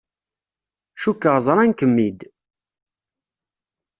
Cukkeɣ ẓran-kem-d.